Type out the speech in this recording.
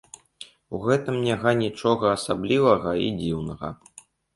У гэтым няма нічога асаблівага і дзіўнага.